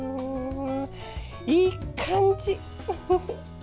いい感じ！